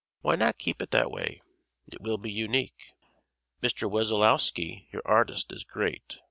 Why not keep it that way? It will be unique. Mr. Wessolowski, your artist, is great.